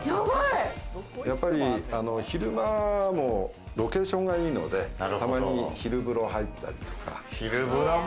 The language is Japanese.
昼間もロケーションがいいので、たまに昼風呂入ったりとか。